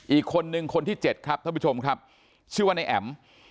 อีกคนนึงคนที่๗ครับท่านผู้ชมครับชื่อว่านายแอ๋ม